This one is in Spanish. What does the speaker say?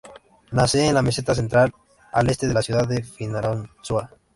Nace en la meseta Central, al este de la ciudad de Fianarantsoa.